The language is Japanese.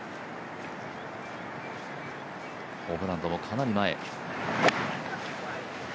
ホブランドもかなり前。